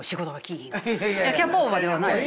キャパオーバーではない。